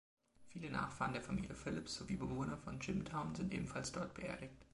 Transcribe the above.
Viele Nachfahren der Familie Phillips sowie Bewohner von Jimtown sind ebenfalls dort beerdigt.